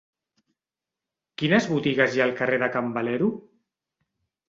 Quines botigues hi ha al carrer de Can Valero?